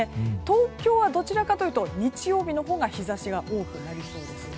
東京はどちらかというと日曜日のほうが日差しは多くなりそうです。